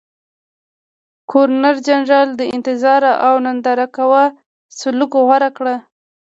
ګورنرجنرال د انتظار او ننداره کوه سلوک غوره کړ.